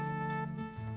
kita harus pergi